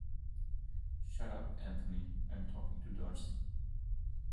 Shut up, Anthony, I'm talking to Darcy.